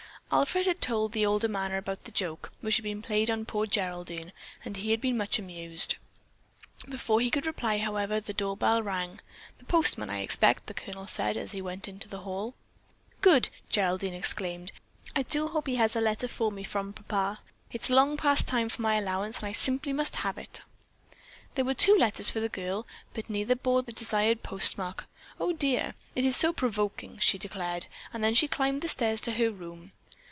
Alfred had told the older man about the joke which had been played on poor Geraldine and he had been much amused. Before he could reply, however, the door bell rang. "The postman, I expect!" the Colonel said as he went into the hall. "Good!" Geraldine exclaimed. "I do hope he has a letter for me from Papa. It is long past time for my allowance, and I simply must have it." There were two letters for the girl, but neither bore the desired postmark. "Oh, dear, it is so provoking!" she declared, and then she climbed the stairs to her room.